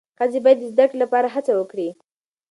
ښځې باید د زدهکړې لپاره هڅه وکړي.